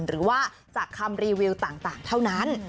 หรือว่าจากคำรีวิวต่างเท่านั้น